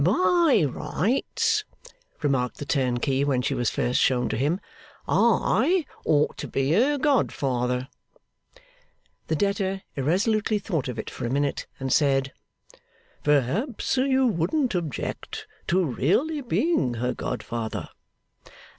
'By rights,' remarked the turnkey when she was first shown to him, 'I ought to be her godfather.' The debtor irresolutely thought of it for a minute, and said, 'Perhaps you wouldn't object to really being her godfather?